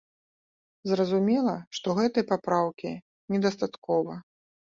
Зразумела, што гэтай папраўкі недастаткова.